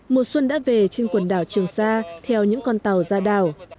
mùa xuân đã về trên quần đảo trường sa theo những con tàu ra đảo